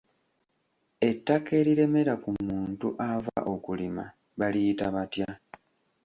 Ettaka eriremera ku muntu ava okulima, baliyita batya?